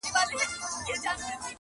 دادی وګوره صاحب د لوی نښان یم ,